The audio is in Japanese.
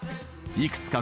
いくつか